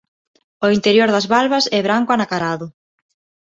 O interior das valvas é branco anacarado.